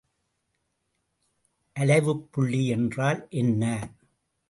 அலைவுப்புள்ளி என்றால் என்ன?